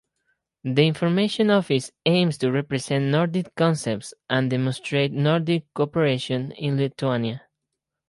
The information office aims to represent Nordic concepts and demonstrate Nordic cooperation in Lithuania.